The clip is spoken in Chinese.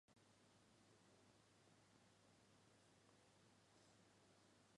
该里最大的特色是散布于丘陵之间的农村以及中华大学周边聚集的学生大楼社区。